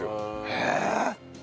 へえ。